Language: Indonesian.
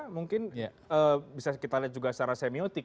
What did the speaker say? mungkin bisa kita lihat juga secara semiotik